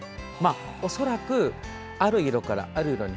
恐らく、ある色からある色に